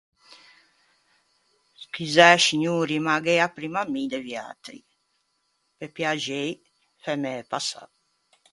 Scusæ, scignori, ma gh'ea primma mi de viatri. Pe piaxei, fæme passâ.